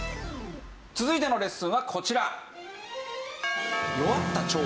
続いてのレッスンはこちら。